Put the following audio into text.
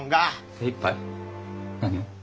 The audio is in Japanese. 精いっぱい何を？